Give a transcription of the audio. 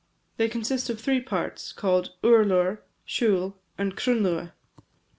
They consist of three parts, called Urlar, Siubhal, and Crunluath.